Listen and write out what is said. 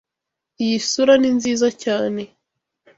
Iyi sura ni nziza cyane.